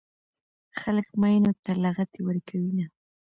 خلک ميينو ته لغتې ورکوينه